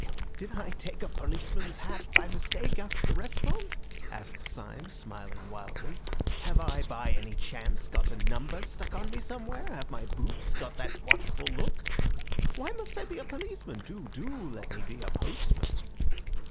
"Did I take a policeman's hat by mistake out of the restaurant?" asked Syme, smiling wildly. "Have I by any chance got a number stuck on to me somewhere? Have my boots got that watchful look? Why must I be a policeman? Do, do let me be a postman."